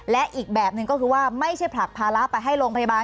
และอีกแบบหนึ่งก็คือว่าไม่ใช่ผลักภาระไปให้โรงพยาบาล